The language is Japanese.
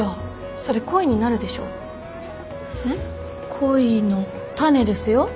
恋の種ですよ。